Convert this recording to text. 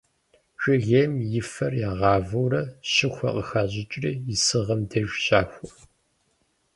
Жыгейм и фэр ягъавэурэ щыхуэ къыхащӏыкӏри исыгъэм деж щахуэ.